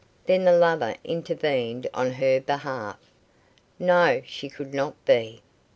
Then the lover intervened on her behalf. No; she could not be.